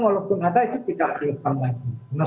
walaupun ada itu tidak dilepaskan lagi